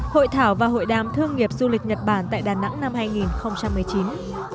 hội thảo và hội đàm thương nghiệp du lịch nhật bản tại đà nẵng năm hai nghìn một mươi chín